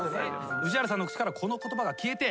宇治原さんの口からこの言葉が消えて。